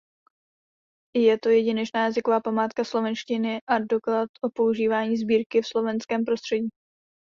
Je to jedinečná jazyková památka slovenštiny a doklad o používání sbírky v slovenském prostředí.